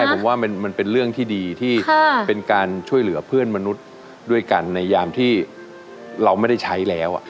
ผมว่ามันเป็นเรื่องที่ดีที่เป็นการช่วยเหลือเพื่อนมนุษย์ด้วยกันในยามที่เราไม่ได้ใช้แล้ว